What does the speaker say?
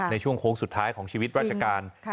ในช่วงโค้งสุดท้ายของชีวิตราชการ